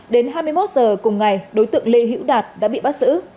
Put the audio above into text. đến hai mươi một giờ cùng ngày đối tượng lê hữu đạt đã bị bắt giữ